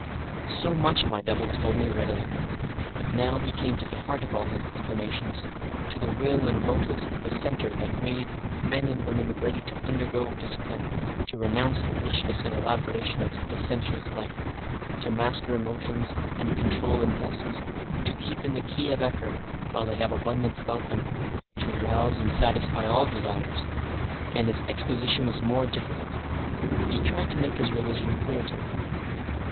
Section 7 So much my double told me readily. But now he came to the heart of all his explanations, to the will and motives at the centre that made men and women ready to undergo discipline, to renounce the richness and elaboration of the sensuous life, to master emotions and control impulses, to keep in the key of effort while they had abundance about them to rouse and satisfy all desires, and his exposition was more difficult. He tried to make his religion clear to me.